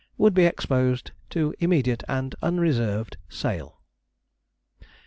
would be exposed to immediate and unreserved sale.